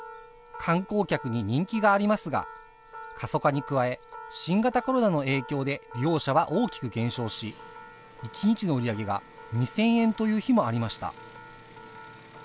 観光客に人気がありますが、過疎化に加え、新型コロナの影響で利用者は大きく減少し、１日の売り上げが２０００円という日もありました。